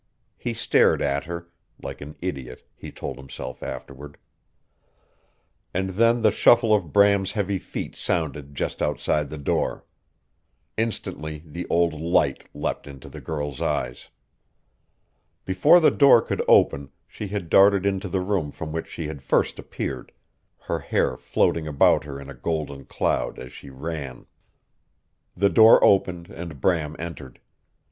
He stared at her like an idiot he told himself afterward. And then the shuffle of Bram's heavy feet sounded just outside the door. Instantly the old light leapt into the girl's eyes. Before the door could open she had darted into the room from which she had first appeared, her hair floating about her in a golden cloud as she ran. The door opened, and Bram entered.